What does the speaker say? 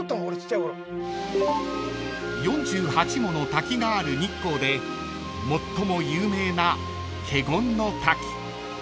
［４８もの滝がある日光で最も有名な華厳の滝］